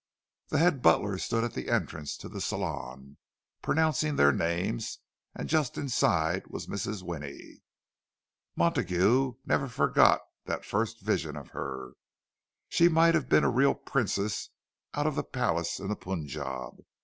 The head butler stood at the entrance to the salon, pronouncing their names; and just inside was Mrs. Winnie. Montague never forgot that first vision of her; she might have been a real princess out of the palace in the Punjab.